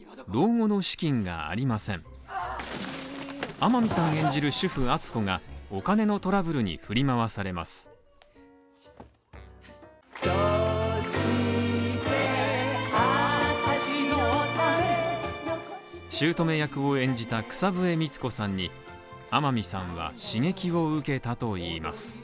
天海さん演じる主婦篤子がお金のトラブルに振り回されます姑役を演じた草笛光子さんに、天海さんは刺激を受けたといいます